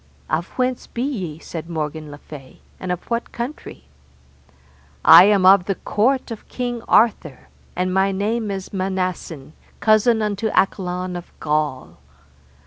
Of whence be ye, said Morgan le Fay, and of what country? I am of the court of King Arthur, and my name is Manassen, cousin unto Accolon of Gaul.